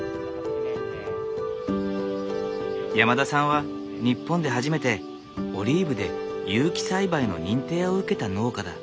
山田さんは日本で初めてオリーブで有機栽培の認定を受けた農家だ。